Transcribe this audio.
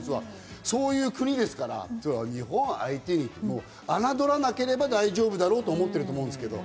そういう国ですから、日本を相手に侮らなければ大丈夫だろうと思ってると思うんですけれど。